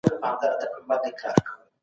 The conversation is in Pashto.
پرمختیايي هیوادونه د نړیوالو لخوا حمایه کیږي.